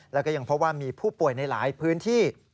แล้วก็ยังพบว่ามีผู้ป่วยในหลายพื้นที่